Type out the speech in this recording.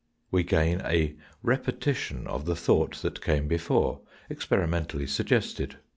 We gain a repetition of the thought that came before, experimentally suggested.